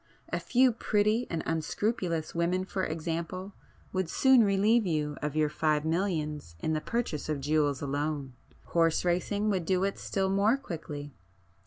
A few pretty and unscrupulous women for example, would soon relieve you of your five millions in the purchase of jewels alone. Horse racing would do it still more quickly.